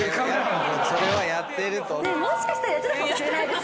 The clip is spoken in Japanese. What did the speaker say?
もしかしたらやってたかもしれないですよね。